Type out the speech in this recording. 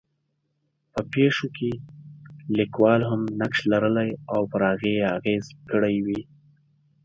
په پېښو کې لیکوال هم نقش لرلی او پر هغې یې اغېز کړی وي.